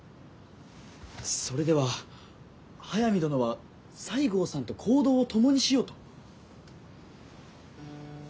それでは速水殿は西郷さんと行動を共にしようと？